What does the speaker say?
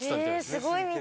すごい道！